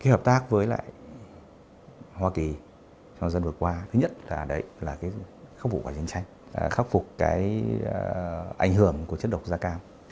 hợp tác với lại hoa kỳ trong dân vừa qua thứ nhất là khắc phục quả chiến tranh khắc phục ảnh hưởng của chất độc da cam